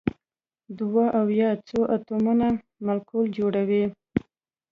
دوه او یا څو اتومونه مالیکول جوړوي.